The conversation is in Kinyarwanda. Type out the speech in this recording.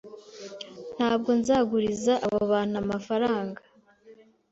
Ntabwo nzaguriza abo bantu amafaranga.